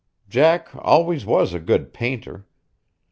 Jack always was a good painter.